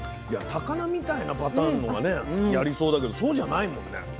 高菜みたいなパターンのはねやりそうだけどそうじゃないもんね。